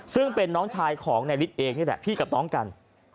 ซึ่งเป็นน้องชายของนายฤทธิ์เองนี่แหละพี่กับน้องกัน